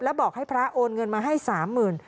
แล้วบอกให้พระโอนเงินมาให้๓๐๐๐บาท